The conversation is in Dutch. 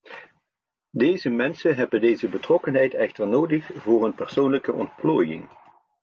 Deze mensen hebben deze betrokkenheid echter nodig voor hun persoonlijke ontplooiing.